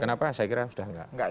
kenapa saya kira sudah enggak